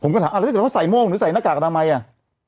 ผมก็ถามว่าใส่โม่งหรือใส่หน้ากากทำไมอะ